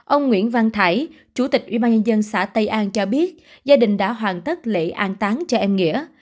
ông nguyễn văn thái chủ tịch ubnd xã tây an cho biết gia đình đã hoàn tất lễ an táng cho em nghĩa